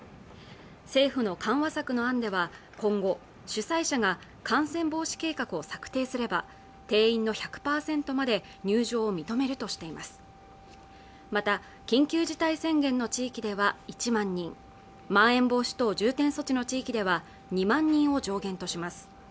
政府の緩和策の案では今後主催者が感染防止計画を策定すれば定員の１００％まで入場を認めるとしていますまた緊急事態宣言の地域では１万人まん延防止等重点措置の地域では２万人を上限とします